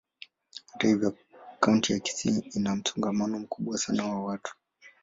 Hata hivyo, kaunti ya Kisii ina msongamano mkubwa sana wa watu.